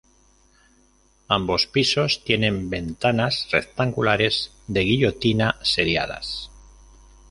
Ambos pisos tienen ventanas rectangulares de guillotina seriadas.